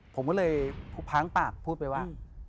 ผมก็เลยพ้างปากพูดไปว่า